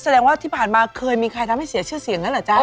แสดงว่าที่ผ่านมาเคยมีใครทำให้เสียชื่อเสียงแล้วเหรอจ๊ะ